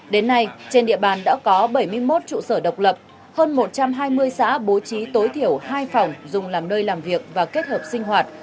đến nay trên địa bàn đã có bảy mươi một trụ sở độc lập hơn một trăm hai mươi xã bố trí tối thiểu hai phòng dùng làm nơi làm việc và kết hợp sinh hoạt